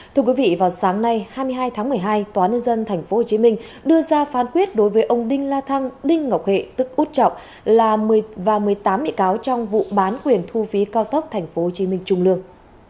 thưa quý vị vào sáng nay hai mươi hai tháng một mươi hai tòa nhân dân tp hcm đưa ra phán quyết đối với ông đinh la thăng đinh ngọc hệ tức út trọng là một mươi tám bị cáo trong vụ bán quyền thu phí cao tốc tp hcm trung lương